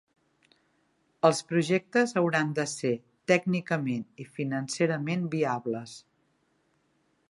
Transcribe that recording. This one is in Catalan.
Els projectes hauran de ser tècnicament i financerament viables.